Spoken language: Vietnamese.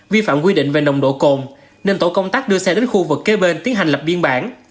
vi phạm quy định về nồng độ cồn nên tổ công tác đưa xe đến khu vực kế bên tiến hành lập biên bản